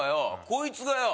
こいつがよ